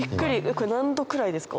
これ何度くらいですか？